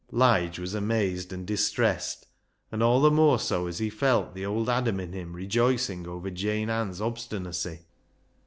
" Lige was amazed and distressed, and all the more so as he felt the old Adam in him rejoic ing over Jane Ann's obstinacy.